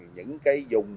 những cái dùng